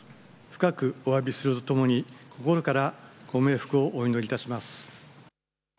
深くおわびするとともに心からご冥福をお祈りいたします。